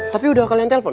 tapi udah kalian telpon